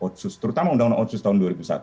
otsus terutama undang undang otsus tahun dua ribu satu